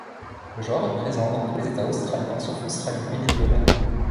Le genre est présent dans tous les États australiens, sauf l'Australie-Méridionale.